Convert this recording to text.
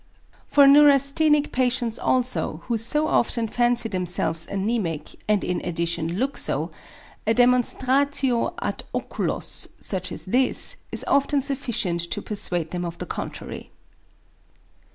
For neurasthenic patients also, who so often fancy themselves anæmic and in addition look so, a demonstratio ad oculos such as this is often sufficient to persuade them of the contrary.